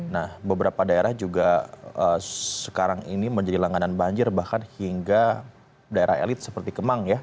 nah beberapa daerah juga sekarang ini menjadi langganan banjir bahkan hingga daerah elit seperti kemang ya